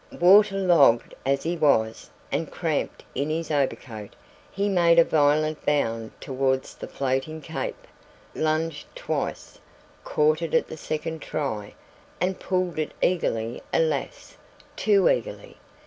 Water logged as he was, and cramped in his overcoat, he made a violent bound towards the floating cape, lunged twice, caught it at the second try, and pulled it eagerly alas! too eagerly.